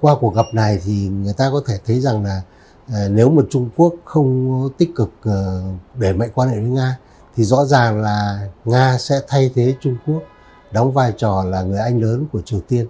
qua cuộc gặp này thì người ta có thể thấy rằng là nếu mà trung quốc không tích cực để mạnh quan hệ với nga thì rõ ràng là nga sẽ thay thế trung quốc đóng vai trò là người anh lớn của triều tiên